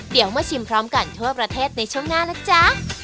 เดี๋ยวมาชิมพร้อมกันทั่วประเทศในช่วงหน้านะจ๊ะ